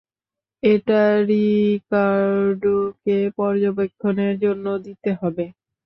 এটা রিকার্ডোকে পর্যবেক্ষণের জন্য দিতে হবে।